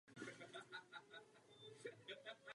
Lehce bláznivá rodina prochází složitou životní situací.